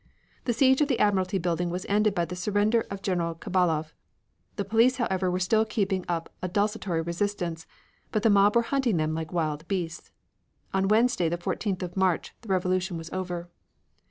The siege of the Admiralty building was ended by the surrender of General Khabalov. The police, however, were still keeping up a desultory resistance, but the mob were hunting them like wild beasts. On Wednesday, the 14th of March, the revolution was over.